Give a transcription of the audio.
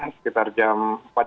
sekitar jam empat lima